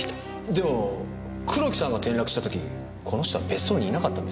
でも黒木さんが転落した時この人は別荘にいなかったんですよ？